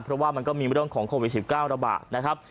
เพราะว่ามันก็มีเรื่องของโควิด๑๙ระบาดนะครับ